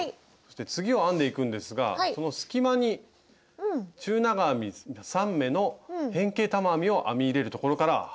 次を編んでいくんですがその隙間に中長編み３目の変形玉編みを編み入れるところから始めていきましょう。